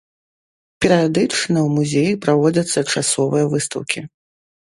Перыядычна ў музеі праводзяцца часовыя выстаўкі.